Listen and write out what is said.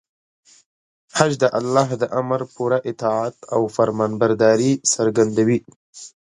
حج د الله د امر پوره اطاعت او فرمانبرداري څرګندوي.